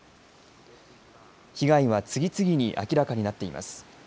被害は次々に明らかになっています。